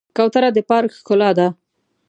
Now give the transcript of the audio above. کوتره د پارک ښکلا ده.